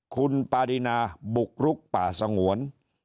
คุณปารินาบุกรุกป่าสงวน